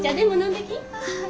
はい。